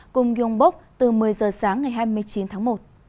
cùng gyeongbok từ một mươi giờ sáng ngày hai mươi chín tháng một